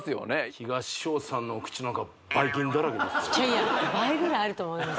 東尾さんのお口の中いやいや倍ぐらいあると思います